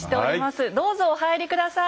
どうぞお入り下さい。